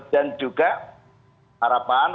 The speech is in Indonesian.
dan juga harapan